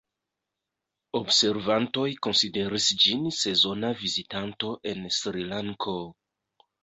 Observantoj konsideris ĝin sezona vizitanto en Srilanko.